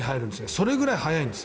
それぐらい速いんです。